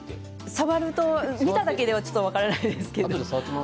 触ると見ただけではちょっと分からないです。